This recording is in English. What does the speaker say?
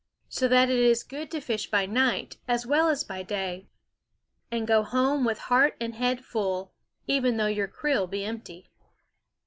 So that it is good to fish by night, as well as by day, and go home with heart and head full, even though your creel be empty.